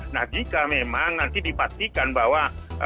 nah jika memang nanti dipastikan bahwa